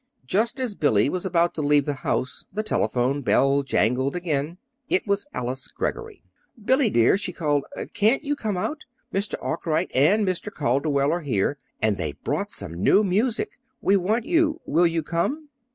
Just as Billy was about to leave the house the telephone bell jangled again. It was Alice Greggory. "Billy, dear," she called, "can't you come out? Mr. Arkwright and Mr. Calderwell are here, and they've brought some new music. We want you. Will you come?"